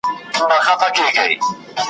او ټول خوږ ژوند مي `